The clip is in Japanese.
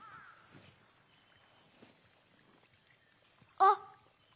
あっ！